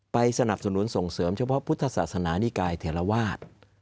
สนับสนุนส่งเสริมเฉพาะพุทธศาสนานิกายเทราวาส